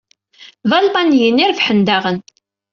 D Almaniyen i irebḥen daɣen.